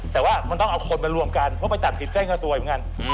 แต่ว่ามันต้องเอาคนมารวมกันเพราะไปตัดสิทธิ์ใกล้กับสวยเหมือนกัน